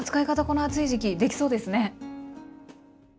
この暑い時期できそうですね。